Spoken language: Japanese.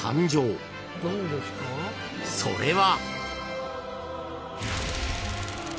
［それは］